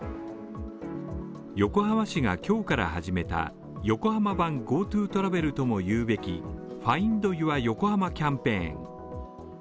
横浜市が今日から始めた横浜版ＧｏＴｏトラベルともいうべきＦｉｎｄＹｏｕｒＹＯＫＯＨＡＭＡキャンペーン